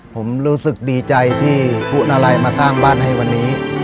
ผมรู้สึกดีใจที่พูดอะไรมาสร้างบ้านให้วันนี้